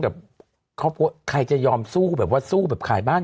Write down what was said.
แบบใครจะยอมสู้แบบว่าสู้แบบขายบ้าน